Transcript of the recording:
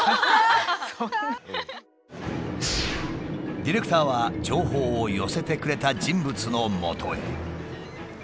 ディレクターは情報を寄せてくれた人物のもとへ。